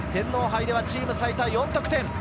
天皇杯ではチーム最多４得点。